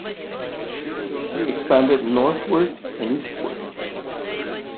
They jointly expanded northward and eastward.